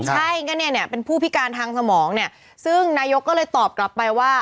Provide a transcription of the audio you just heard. ใช่ก็เนี่ยเนี่ยเป็นผู้พิการทางสมองเนี่ยซึ่งนายกก็เลยตอบกลับไปว่า